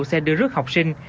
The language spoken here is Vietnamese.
xe đưa rước học sinh